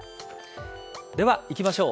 ではいきましょう。